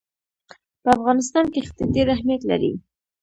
په افغانستان کې ښتې ډېر اهمیت لري.